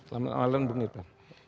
selamat malam bu nita